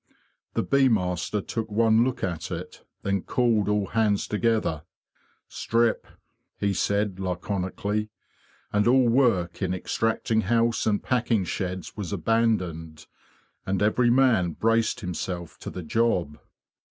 The bee master took one look at it, then called all hands together. '"'Strip!'' he said laconically; and all work in extracting house and packing sheds was abandoned, and every man braced himself to the job.